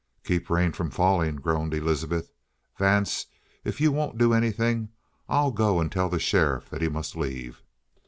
"Keep rain from falling!" groaned Elizabeth. "Vance, if you won't do anything, I'll go and tell the sheriff that he must leave!"